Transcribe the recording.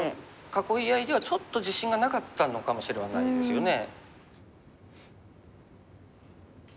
囲い合いではちょっと自信がなかったのかもしれないですよね。